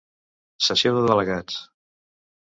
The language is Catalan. Sessió de delegats.